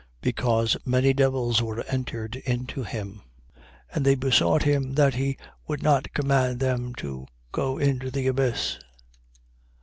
Because many devils were entered into him. 8:31. And they besought him that he would not command them to go into the abyss.